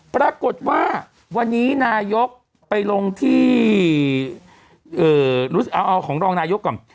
ปรากฏว่าวันนี้นายกไปลงที่เอาของรองนายกก่อน